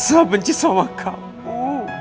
aku tidak bisa benci sama kamu